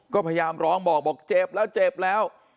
ก็พยายามร้องบอกบอกเจ็บแล้วเจ็บแล้ว